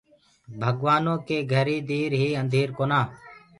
ڀگوآنو ڪيٚ گهري دير هي انڌير ڪونآ۔